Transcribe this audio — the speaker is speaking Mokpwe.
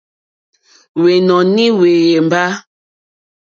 Hwɛ́nɔ̀ní hwɛ́yɛ́mbà.